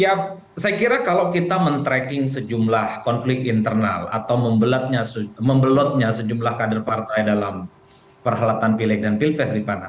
ya saya kira kalau kita men tracking sejumlah konflik internal atau membelotnya sejumlah kader partai dalam perhalatan pilih dan pilfes di mana